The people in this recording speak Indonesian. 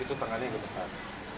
itu tangannya gemetar